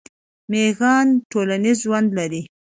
میږیان ټولنیز ژوند لري